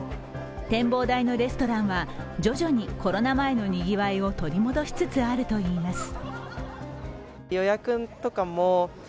展望台のレストランは徐々にコロナ前のにぎわいを取り戻しつつあるといいます。